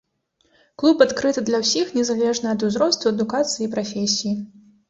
Клуб адкрыты для ўсіх, незалежна ад узросту, адукацыі і прафесіі.